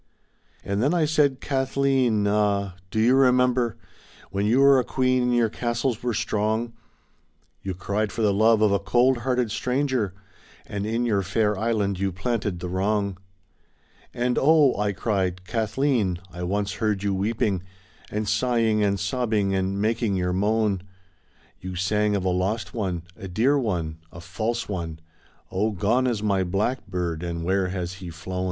And then I said: ^^Kathleen, ah! do you remember When you were a queen, and your castles were strong, You cried for the love of a cold hearted stranger. And in your fair island you planted the wrong?" "And oh," I cried, Kathleen, I once heard you weeping And sighing and sobbing and making your moan. You sang of a lost one, a dear one, a false one — ^Oh, gone is my blackbird, and where has he flown?'